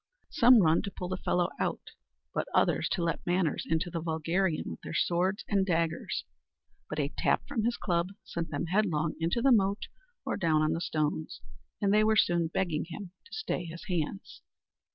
Some run to pull the fellow out, and others to let manners into the vulgarian with their swords and daggers; but a tap from his club sent them headlong into the moat or down on the stones, and they were soon begging him to stay his hands.